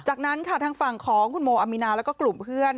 จากนั้นค่ะทางฝั่งของคุณโมอามีนาแล้วก็กลุ่มเพื่อน